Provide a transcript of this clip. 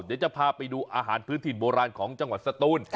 เดี๋ยวจะพาไปดูอาหารพื้นถิ่นโบราณของจังหวัดสตูน